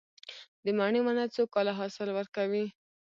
د مڼې ونه څو کاله حاصل ورکوي؟